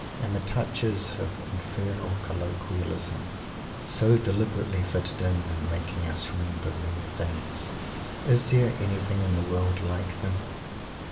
And the touches of "infernal colloquialism," so deliberately fitted in, and making us remember many things! is there anything in the world like them?